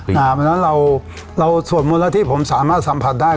เพราะฉะนั้นเราสวดมูลละที่ผมสามารถสัมผัสได้